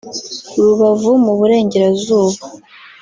Rubavu mu Burengerazuba